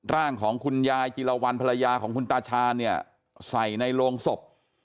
ร่างของคุณยายจิลวันภรรยาของคุณตาชาญเนี่ยใส่ในโรงศพ